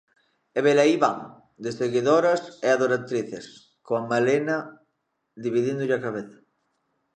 E velaí van, de seguidoras e adoratrices, coa melena dividíndolle a cabeza.